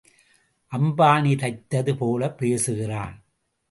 அம்பாணி தைத்தது போலப் பேசுகிறான்.